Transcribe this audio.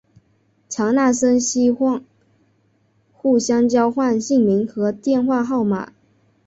强纳森希望互相交换姓名和电话号码。